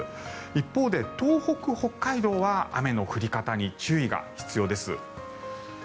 一方で、東北、北海道は雨の降り方に注意が必要です。